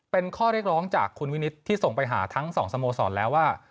เป็นข้อเรียกร้องจากคุณวินิตที่ส่งไปหาทั้งสองสโมสรแล้วว่า